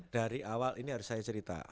dari awal ini harus saya cerita